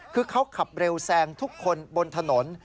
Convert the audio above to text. คือเขาขับเร็วแซงทุกคนบนถนน